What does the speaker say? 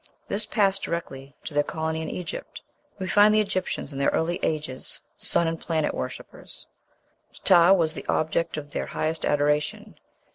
This passed directly to their colony in Egypt. We find the Egyptians in their early ages sun and planet worshippers. Ptah was the object of their highest adoration.